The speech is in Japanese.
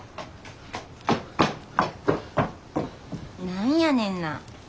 何やねんな。